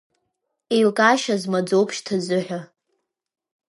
Еилкаашьа змаӡамоуп шьҭазыҳәа…